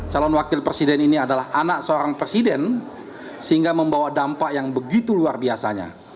calon wakil presiden ini adalah anak seorang presiden sehingga membawa dampak yang begitu luar biasanya